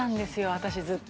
私ずっと。